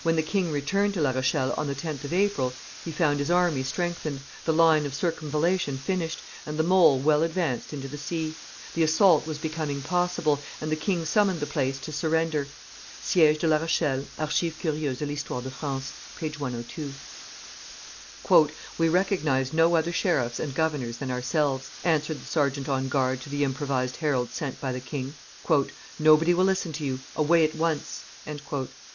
When the king returned to La Rochelle on the 10th of April, he found his army strengthened, the line of circumvallation finished, and the mole well advanced into the sea; the assault was becoming possible, and the king summoned the place to surrender. [Siege de La Rochelle. Archives eurieuses de l'Histoire de France, t. iii. p. 102.] "We recognize no other sheriffs and governors than ourselves," answered the sergeant on guard to the improvised herald sent by the king; "nobody will listen to you; away at once!"